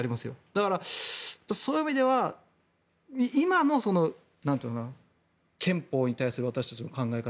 だからそういう意味では今の憲法に対する私たちの考え方